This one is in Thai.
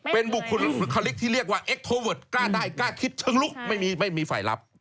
เป็นบุคคลบุคลิกที่เรียกว่าเอ็กโทเวิร์ดกล้าได้กล้าคิดเชิงลุกไม่มีฝ่ายรับ